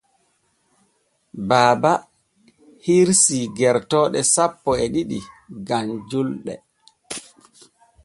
Baaba hirsii gertooɗo sappo e ɗiɗi gam julɗe.